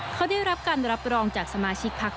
เขาได้รับการรับรองจากสมาชิกพัก